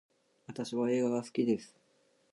私は映画が好きです